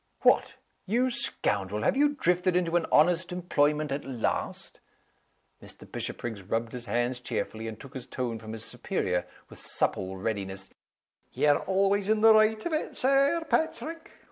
"What, you scoundrel! have you drifted into an honest employment at last?" Mr. Bishopriggs rubbed his hands cheerfully, and took his tone from his superior, with supple readiness, "Ye're always in the right of it, Sir Paitrick!